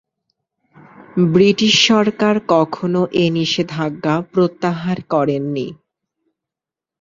British সরকার কখনো এ নিষেধাজ্ঞা প্রত্যাহার করেননি।